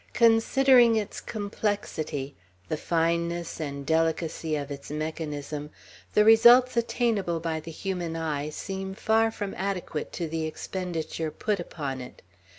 Considering its complexity, the fineness and delicacy of its mechanism, the results attainable by the human eye seem far from adequate to the expenditure put upon it.